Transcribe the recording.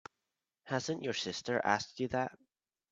Hasn't your sister asked you that?